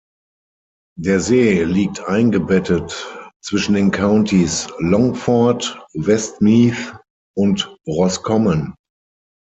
Der See liegt eingebettet zwischen den Countys Longford, Westmeath und Roscommon.